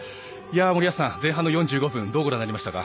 森保さん、前半４５分どうご覧になりましたか。